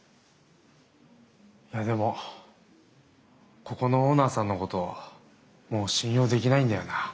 いやでもここのオーナーさんのこともう信用できないんだよな。